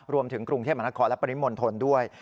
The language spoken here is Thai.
รวมถึงกรุงเทพหรือประนิมหม่อนธนด้วย